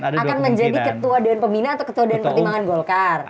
akan menjadi ketua dewan pembina atau ketua dewan pertimbangan golkar